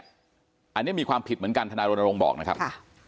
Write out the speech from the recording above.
อันนี้มีความผิดเหมือนกันทนายรณรงค์บอกนะครับ